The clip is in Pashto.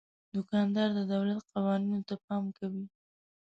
دوکاندار د دولت قوانینو ته پام کوي.